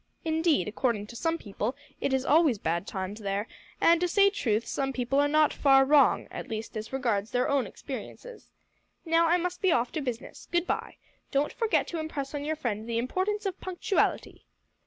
Indeed, according to some people, it is always bad times there, and, to say truth, some people are not far wrong at least as regards their own experiences. Now, I must be off to business. Good bye. Don't forget to impress on your friend the importance of punctuality."